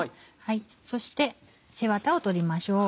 そして背ワタを取りましょう。